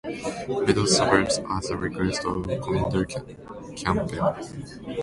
Meadows survives at the request of Commander Campbell.